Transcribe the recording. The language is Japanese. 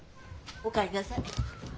お帰りなさい。